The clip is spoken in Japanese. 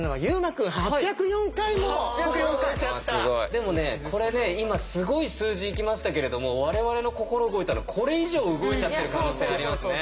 でもねこれね今すごい数字いきましたけれども我々の心動いたのこれ以上動いちゃってる可能性ありますね。